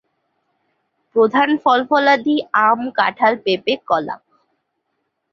প্রধান ফল-ফলাদি আম, কাঁঠাল, পেঁপে, কলা।